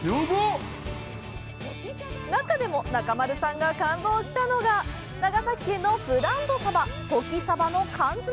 中でも中丸さんが感動したのが長崎県のブランド鯖旬さばの缶詰！